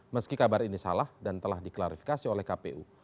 meski kabar ini salah dan telah diklarifikasi oleh kpu